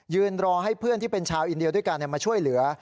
รอให้เพื่อนที่เป็นชาวอินเดียด้วยกันมาช่วยเหลือ